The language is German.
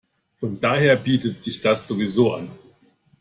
Von daher bietet sich das sowieso an.